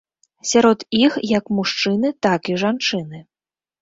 Сярод іх як мужчыны, так і жанчыны.